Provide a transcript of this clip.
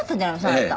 あなた。